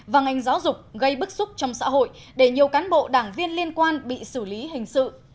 và ngành giáo dục gây bức xúc trong xã hội để nhiều cán bộ đảng viên liên quan bị xử lý hình sự